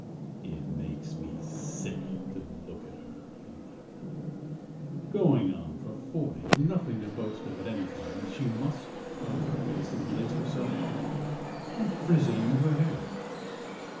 "It makes me sick to look at her!" he muttered. "Going on for forty, and nothing to boast of at any time, and she must powder her face and lace herself up! And frizzing her hair!